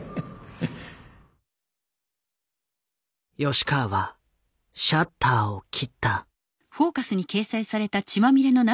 吉川はシャッターを切った。